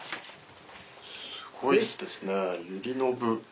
すごいですねゆりの部。